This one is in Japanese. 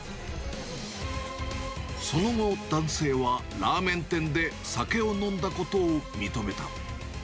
その後、男性はラーメン店で酒を飲んだことを認めた。